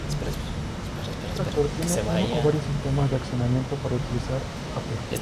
Un tractor tiene uno o varios sistemas de accionamiento para utilizar aperos.